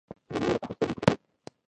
جمیلې له قهره سترګې پټې کړې.